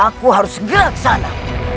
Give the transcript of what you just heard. aku harus segera ke sana